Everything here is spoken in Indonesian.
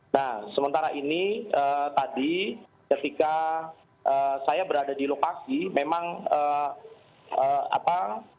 nah sementara ini tadi ketika saya berada di lokasi memang apa